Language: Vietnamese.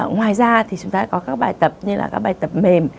ngoài ra thì chúng ta có các bài tập như là các bài tập mềm